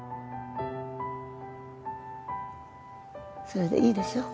それでいいでしょう。